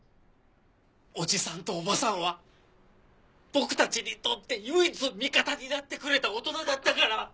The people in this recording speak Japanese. おじさんとおばさんは僕たちにとって唯一味方になってくれた大人だったから。